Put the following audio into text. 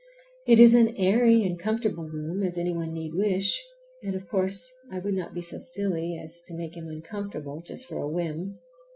It is as airy and comfortable a room as any one need wish, and, of course, I would not be so silly as to make him uncomfortable just for a whim.